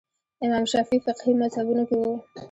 امام شافعي فقهي مذهبونو کې وو